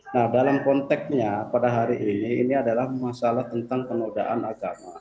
nah dalam konteksnya pada hari ini ini adalah masalah tentang penodaan agama